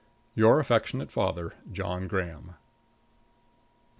Your affectionate father, JOHN GRAHAM.